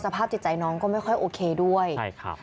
สภาพจิตใจน้องก็ไม่ค่อยโอเคด้วยใช่ครับ